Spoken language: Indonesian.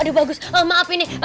aduh bagus maaf ini